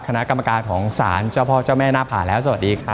คณะกรรมการของศาลเจ้าพ่อเจ้าแม่หน้าผ่าแล้วสวัสดีครับ